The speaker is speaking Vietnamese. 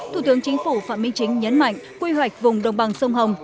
thủ tướng chính phủ phạm minh chính nhấn mạnh quy hoạch vùng đồng bằng sông hồng